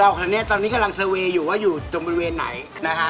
เพราะฉะนั้นตอนนี้กำลังเสียงว่าอยู่ตรงบริเวณไหนนะฮะ